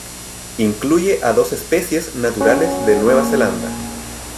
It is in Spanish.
Incluye a dos especies naturales de Nueva Zelanda.